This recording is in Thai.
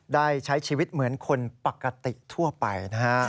ได้ใช้ชีวิตเหมือนคนปกติทั่วไปนะฮะ